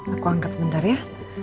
aku angkat sebentar ya